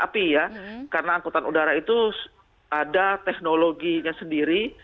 tapi ya karena angkutan udara itu ada teknologinya sendiri